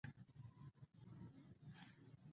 ژاوله ژوول ځینې وخت له عادت نه زیاتېږي.